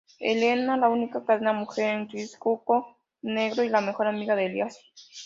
Helene, la única cadete mujer en Risco Negro y la mejor amiga de Elias.